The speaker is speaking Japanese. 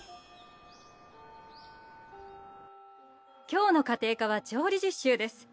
今日の家庭科は調理実習です。